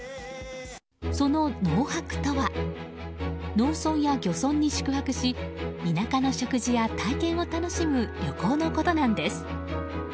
その農泊とは農村や漁村に宿泊し田舎の食事や体験を楽しむ旅行のことなんです。